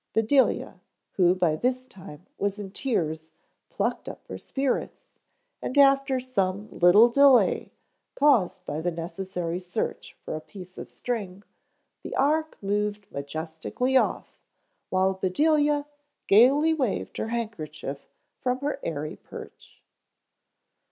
Bedelia, who by this time was in tears, plucked up her spirits, and after some little delay, caused by the necessary search for a piece of string, the ark moved majestically off, while Bedelia gaily waved her handkerchief from her airy perch.